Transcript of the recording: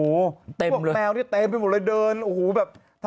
โอ้โหพวกแมวนี่เต็มไปหมดเลยเดินโอ้โหแบบ